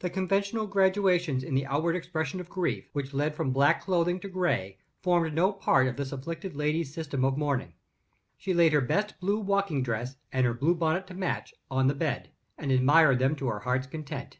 The conventional graduations in the outward expression of grief, which lead from black clothing to gray, formed no part of this afflicted lady's system of mourning. She laid her best blue walking dress and her new bonnet to match on the bed, and admired them to her heart's content.